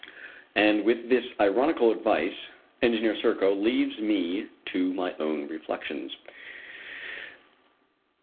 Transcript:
And with this ironical advice, Engineer Serko leaves me to my own reflections.